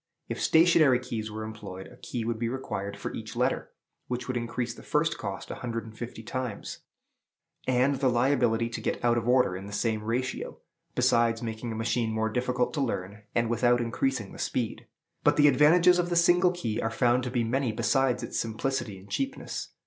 If stationary keys were employed, a key would be required for each letter, which would increase the first cost a hundred and fifty times, and the liability to get out of order in the same ratio, besides making a machine more difficult to learn, and without increasing the speed. But the advantages of the single key are found to be many besides its simplicity and cheapness.